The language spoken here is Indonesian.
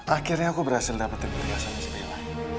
akhirnya aku berhasil dapetin perhiasan istilah